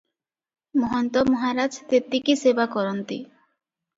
ମହନ୍ତ ମହାରାଜ ତେତିକି ସେବା କରନ୍ତି ।